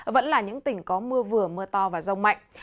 vẫn là những tỉnh có mưa vừa mưa to và rông mạnh